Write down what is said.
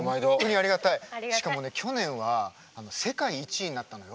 しかもね去年は世界１位になったのよ。